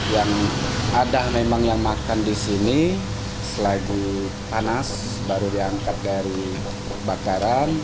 yang ada memang yang makan di sini selagi panas baru diangkat dari kebakaran